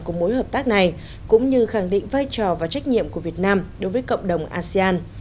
của mối hợp tác này cũng như khẳng định vai trò và trách nhiệm của việt nam đối với cộng đồng asean